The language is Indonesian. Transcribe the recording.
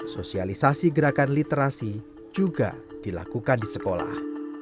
sosialisasi gerakan literasi juga dilakukan di sekolah